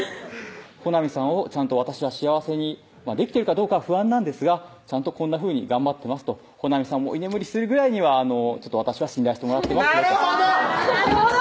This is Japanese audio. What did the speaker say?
穂南さんをちゃんと私は幸せにできてるかどうかは不安なんですがちゃんとこんなふうに頑張ってますと穂南さんも居眠りするぐらいには私は信頼してもらってますとなるほど！